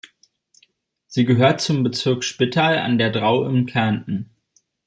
Sie gehört zum Bezirk Spittal an der Drau in Kärnten.